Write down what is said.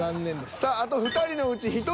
さああと２人のうち１人。